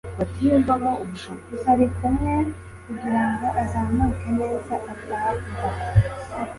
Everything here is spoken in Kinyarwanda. Arikumwe kugirango azamuke neza atagwa